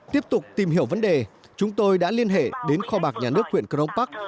tiếp tục tìm hiểu vấn đề chúng tôi đã liên hệ đến kho bạc nhà nước huyện cơn âu bắc